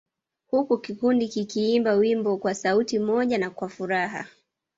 Huku kikundi kikiimba wimbo kwa sauti moja na kwa furaha